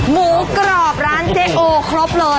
หมูกรอบร้านเจ๊โอครบเลย